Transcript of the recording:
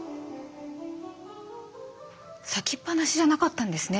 咲きっ放しじゃなかったんですね。